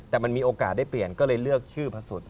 แต่มันมีโอกาสได้เปลี่ยนก็เลยเลือกชื่อพระสุด